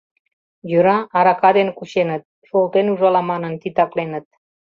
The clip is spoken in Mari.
Йӧра, арака дене кученыт, шолтен ужала манын титакленыт.